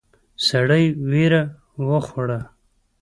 سړی وېره وخوړه.